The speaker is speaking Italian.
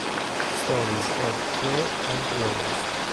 Stories of Flo and Rose.